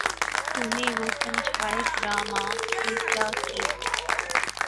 تو نے وہ گنج ہائے گراں مایہ کیا کیے